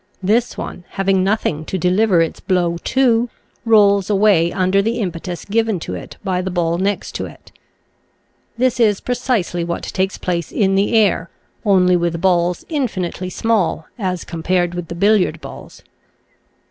This one, having nothing to deliver its blow to, rolls away under the impetus given to it by the ball next to it. This is precisely what takes place in the air, only with balls infinitely small, as compared with the billiard balls.